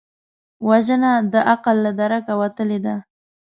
وژنه د عقل له درکه وتلې ده